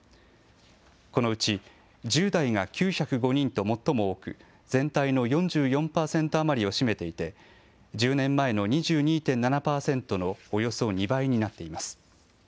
このうち１０代が９０５人と最も多く、全体の４４％余りを占めていて、１０年前の２２．７％のおよそ２倍になっています。